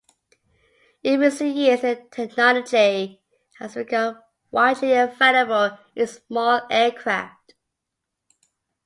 In recent years the technology has become widely available in small aircraft.